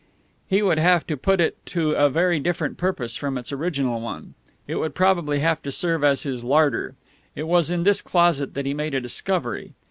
He would have to put it to a very different purpose from its original one; it would probably have to serve as his larder.... It was in this closet that he made a discovery.